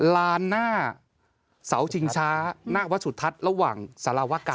ลานหน้าเสาชิงช้าหน้าวัดสุทัศน์ระหว่างสารวกรรม